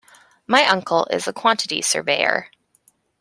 My uncle is a quantity surveyor